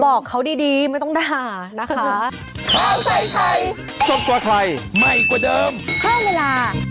บอกเขาดีไม่ต้องด่านะคะ